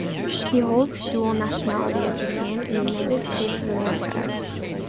He holds dual nationality of Japan and United States of America.